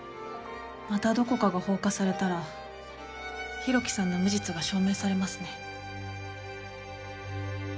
またどこかが放火されたら浩喜さんの無実が証明されますね。